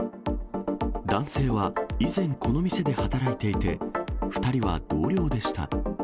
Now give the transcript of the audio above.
男性は以前、この店で働いていて、２人は同僚でした。